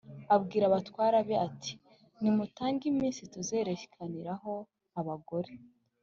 abwira abatware be, ati: «nimutange iminsi tuzerekaniraho abagore